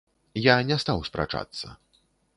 Я не стаў спрачацца.